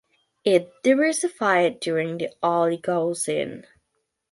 It diversified during the Oligocene.